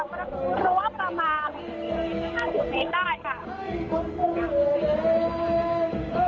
จะมีกระตูที่มีดีกว่ารไร้รอกหลวดหนากกั้น